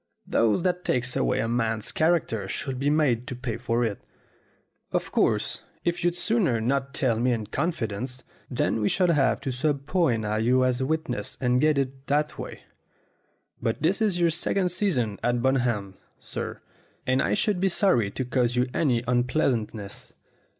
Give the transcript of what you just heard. Those that take away a man's character should be made to pay for it. Of course, if you'd sooner not tell me in confidence, then we shall have to subpoena you as a witness and get it that way ; but this is your second season at Bun ham, sir, and I should be sorry to cause you any un pleasantness."